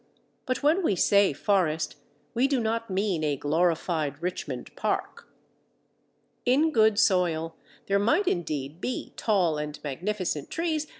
But when we say forest, we do not mean a glorified Richmond Park. In good soil there might indeed be tall and magnificent trees.